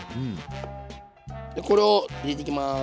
でこれを入れていきます。